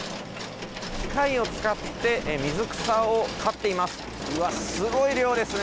機械を使って水草を刈っています。